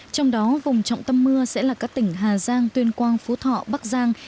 trong đó vùng trọng tâm mưa sẽ là các tỉnh hà giang tuyên quang phú thọ bắc giang